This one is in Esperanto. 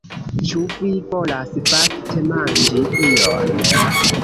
Ĉu vi volas fakte manĝi ion?